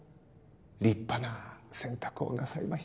立派な選択をなさりましたね。